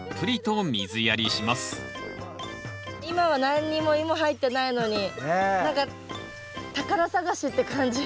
今は何にもイモ入ってないのに何か宝探しって感じ。